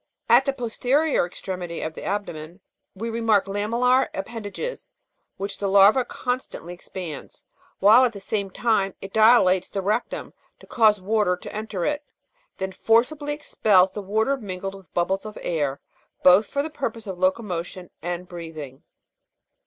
At the posterior extremity of the abdomen (fig. 42) we remark lamellar appendages which the larva constantly expands, while at the same moment it dilates the rectum to cause water to enter it ; then it forcibly expels the water mingled with bubbles of air, both for the purpose of loco motion and breathing. Fig.